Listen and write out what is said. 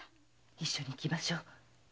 一緒に行きましょう。